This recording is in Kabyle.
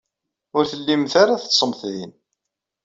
Ur tellimt ara teḍḍsemt din.